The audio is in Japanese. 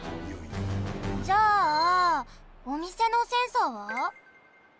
じゃあおみせのセンサーは？